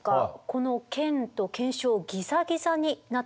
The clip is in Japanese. この腱と腱鞘ギザギザになっていますよね。